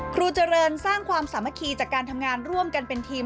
ครูเจริญสร้างความสามัคคีจากการทำงานร่วมกันเป็นทีม